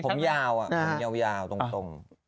ผมยาวผมยาวตรง